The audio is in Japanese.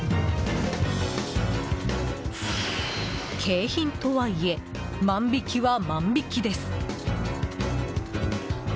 景品とはいえ万引きは万引きです。